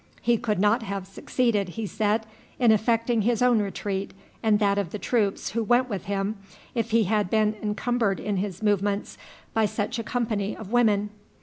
He could not have succeeded, he said, in effecting his own retreat and that of the troops who went with him if he had been encumbered in his movements by such a company of women.